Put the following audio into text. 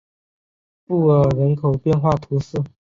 布尔人口变化图示